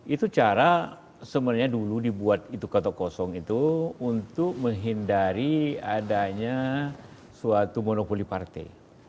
itu cara sebenarnya dulu dibuat kotak kosong itu untuk menghindari adanya suatu monopoli partai